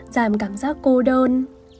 giảm cảm giác cô đơn